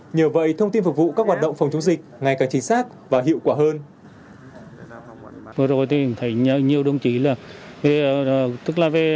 nhờ vậy thông tin phục vụ các hoạt động phòng chống dịch